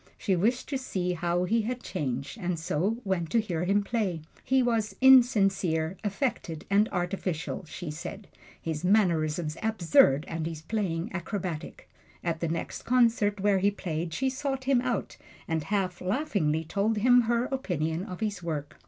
She wished to see how he had changed, and so went to hear him play. He was insincere, affected and artificial, she said his mannerisms absurd and his playing acrobatic. At the next concert where he played she sought him out and half laughingly told him her opinion of his work.